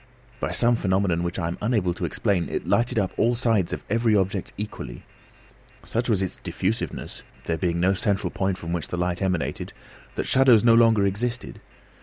By some phenomenon which I am unable to explain, it lighted up all sides of every object equally. Such was its diffusiveness, there being no central point from which the light emanated, that shadows no longer existed.